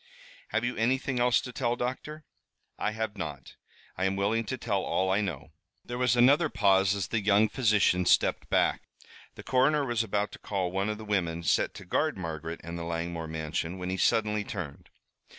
Have you anything else to tell, doctor?" "I have not. I am willing to tell all I know." There was another pause, as the young physician stepped back. The coroner was about to call one of the women set to guard Margaret and the Langmore mansion, when he suddenly turned.